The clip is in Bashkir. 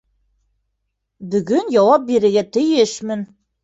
Бөгөн яуап бирергә тейешмен.